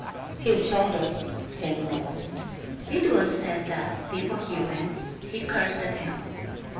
His shoulders seemed old. It was said that before he went he cursed the town.